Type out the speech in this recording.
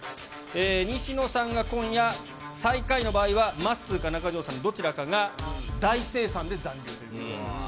西野さんが今夜最下位の場合は、まっすーか中条さんのどちらかが大精算で残留ということになります。